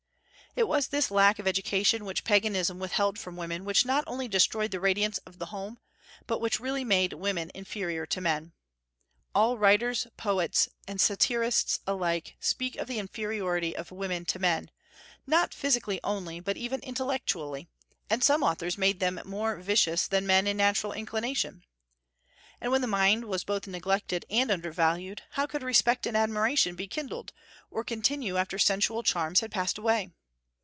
It was this lack of education which Paganism withheld from women which not only destroyed the radiance of home, but which really made women inferior to men. All writers, poets, and satirists alike speak of the inferiority of women to men, not physically only, but even intellectually; and some authors made them more vicious than men in natural inclination. And when the mind was both neglected and undervalued, how could respect and admiration be kindled, or continue after sensual charms had passed away?